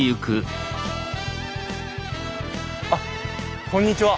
あっこんにちは。